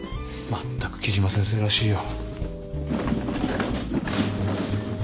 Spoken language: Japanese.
全く木島先生らしいよ。